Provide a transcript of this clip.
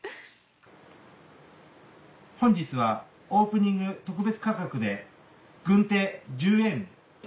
本日はオープニング特別価格で軍手１０円。